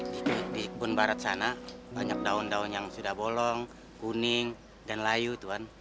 di kebun barat sana banyak daun daun yang sudah bolong kuning dan layu